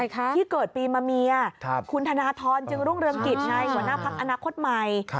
ที่เกิดปีมะเมียคุณแพมลถรรจึงร่วงเริ่มกิจในขวานาภักดิ์อนาคตใหม่